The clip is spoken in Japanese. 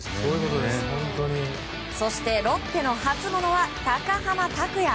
そして、ロッテの初モノは高濱卓也。